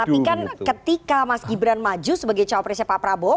tapi kan ketika mas gibran maju sebagai cawapresnya pak prabowo